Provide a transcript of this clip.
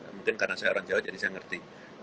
mungkin karena saya orang jawa jadi saya ngerti